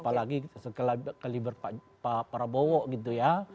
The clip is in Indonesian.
apalagi sekali berparah parah bawa gitu ya